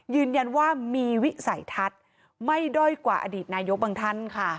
ยืนยันว่ามีวิสัยทัศน์ไม่ด้อยกว่าอดีตนายกบางท่านค่ะ